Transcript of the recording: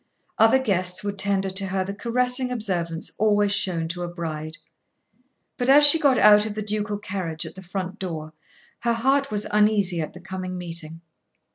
Other guests would tender to her the caressing observance always shown to a bride. But as she got out of the ducal carriage at the front door, her heart was uneasy at the coming meeting.